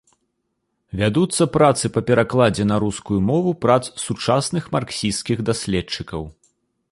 Вядуцца працы па перакладзе на рускую мову прац сучасных марксісцкіх даследчыкаў.